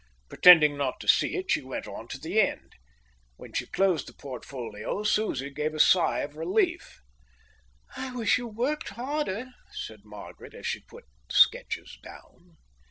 Pretending not to see it, she went on to the end. When she closed the portfolio Susie gave a sigh of relief. "I wish you worked harder," said Margaret, as she put the sketches down.